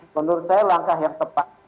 menurut saya langkah yang tepat